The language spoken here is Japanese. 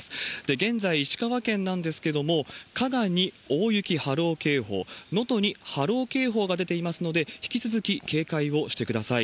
現在、石川県なんですけれども、加賀に大雪波浪警報、能登に波浪警報が出ていますので、引き続き警戒をしてください。